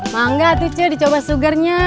mangga tuh dicoba sugarnya